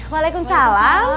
waalaikumsalam ibu yola